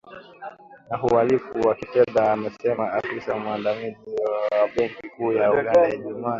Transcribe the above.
na uhalifu wa kifedha amesema afisa mwandamizi wa benki kuu ya Uganda, Ijumaa